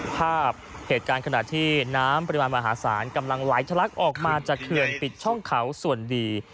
ภาพเหตุการณ์ขณะที่น้ำปริมาณมหาศาลกำลังไหลทะลักออกมาจากเขื่อนปิดช่องเขาส่วนดี